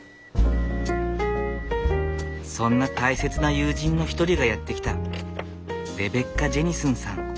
そんな大切な友人の一人がやって来た。レベッカ・ジェニスンさん。